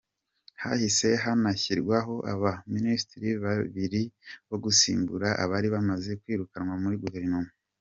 Hahise hanashyirwaho aba Minisitiri babiri bo gusimbura abari bamaze kwirukanwa muri Guverinoma.